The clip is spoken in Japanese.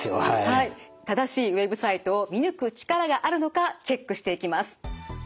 正しいＷＥＢサイトを見抜く力があるのかチェックしていきます。